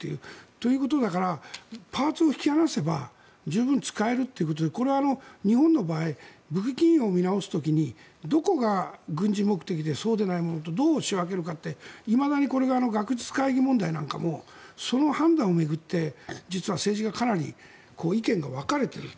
ということだからパーツを引き離せば十分使えるということでこれは日本の場合武器禁輸を見直す時にどこが軍事目的でそうでないものとどう仕分けるかっていまだにこれが学術会議問題なんかもその判断を巡って実は政治がかなり意見が分かれている。